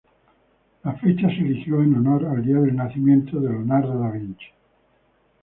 La fecha se eligió en honor al día del nacimiento de Leonardo da Vinci.